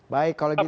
baik kalau gitu